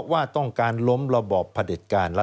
สวัสดีค่ะต้องรับคุณผู้ชมเข้าสู่ชูเวสตีศาสตร์หน้า